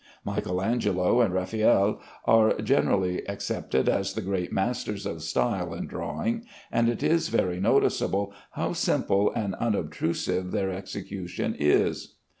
Michael Angelo and Raffaele are generally accepted as the great masters of style in drawing, and it is very noticeable how simple and unobtrusive their execution is.